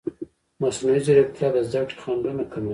مصنوعي ځیرکتیا د زده کړې خنډونه کموي.